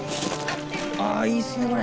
あぁいいっすねこれ。